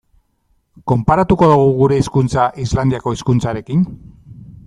Konparatuko dugu gure hizkuntza Islandiako hizkuntzarekin?